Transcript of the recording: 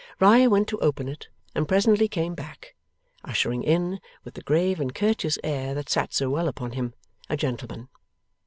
Riah went to open it, and presently came back, ushering in, with the grave and courteous air that sat so well upon him, a gentleman.